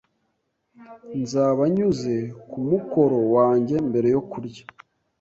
Nzaba nyuze kumukoro wanjye mbere yo kurya